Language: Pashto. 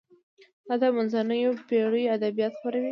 دا د منځنیو پیړیو ادبیات خپروي.